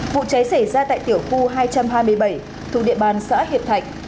vụ cháy xảy ra tại tiểu khu hai trăm hai mươi bảy thuộc địa bàn xã hiệp thạnh